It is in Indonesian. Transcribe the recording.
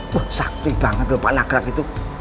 wah sakti banget loh pak nagraj itu